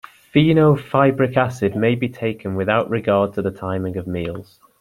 Fenofibric acid may be taken without regard to the timing of meals.